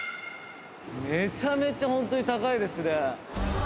めちゃめちゃホントに高いですね。